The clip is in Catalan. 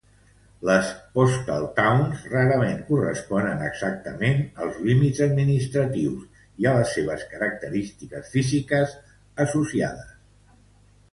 Les postal towns rarament corresponen exactament als límits administratius i a les seves característiques físiques associades.